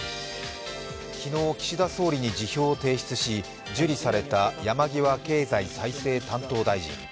昨日、岸田総理に辞表を提出し山際経済再生担当大臣。